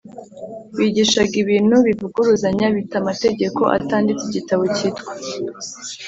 wigishaga ibintu bivuguruzanya bita amategeko atanditse Igitabo cyitwa